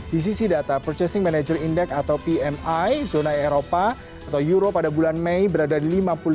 di sisi data purchasing manager index atau pmi zona eropa atau euro pada bulan mei berada di lima puluh lima